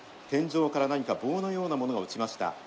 天井から何か棒のようなものが落ちました。